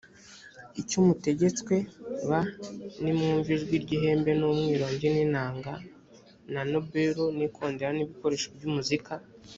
icyo mutegetswe b nimwumva ijwi ry ihembe n umwironge n inanga na nebelu n ikondera n ibikoresho by umuzika